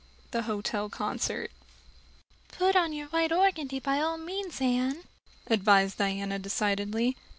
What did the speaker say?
The Hotel Concert PUT on your white organdy, by all means, Anne," advised Diana decidedly.